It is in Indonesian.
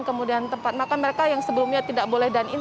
kemudian tempat makan mereka yang sebelumnya tidak boleh dine in